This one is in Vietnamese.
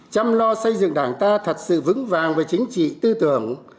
chăm lo xây dựng đảng ta thật sự vững vàng về chính trị tư tưởng